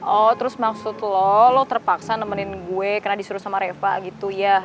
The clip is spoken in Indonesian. oh terus maksud lo lo terpaksa nemenin gue karena disuruh sama reva gitu ya